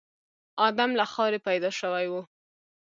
ادم له خاورې پيدا شوی و.